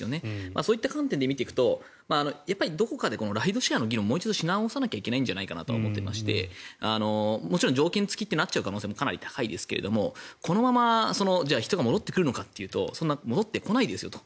そういった観点で見ていくとどこかでライドシェアの議論をしなきゃいけないのかなと思っていて条件付きとなる可能性もありますけどこのまま人が戻ってくるのかというとそんなに戻ってこないですよと。